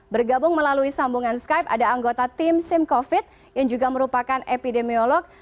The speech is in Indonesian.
bergabung melalui sambungan skype ada anggota tim simcovid yang juga merupakan epidemiolog